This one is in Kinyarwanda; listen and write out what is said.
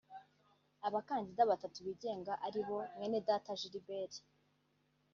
Abakandida batatu bigenga aribo Mwenedata Gilbert